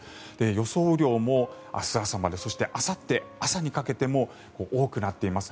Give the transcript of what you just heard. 雨量も明日朝までそして、あさって朝にかけても多くなっています。